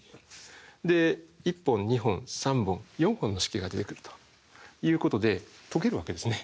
で１本２本３本４本の式が出てくるということで解けるわけですね。